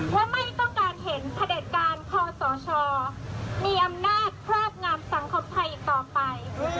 ว่าไม่ต้องการเห็นพระเด็จการคอสชมีอำนาจครอบงามสังคมไทยอีกต่อไป